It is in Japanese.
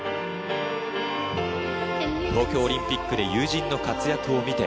東京オリンピックで友人の活躍を見て